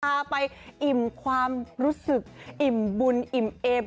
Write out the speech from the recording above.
พาไปอิ่มความรู้สึกอิ่มบุญอิ่มเอม